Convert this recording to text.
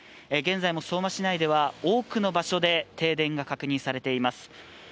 現在も相馬市内では多くの場所で停電が確認されています。